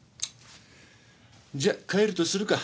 じゃ帰るとするか。